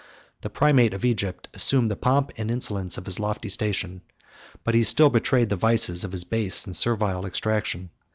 The primate of Egypt assumed the pomp and insolence of his lofty station; but he still betrayed the vices of his base and servile extraction.